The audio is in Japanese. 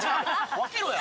分けろや！